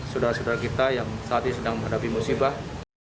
saudara saudara kita yang saat ini sedang menghadapi musibah